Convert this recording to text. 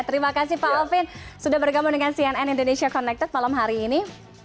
terima kasih pak alvin sudah bergabung dengan cnn indonesia connected malam hari ini